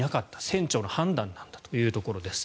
船長の判断なんだというところです。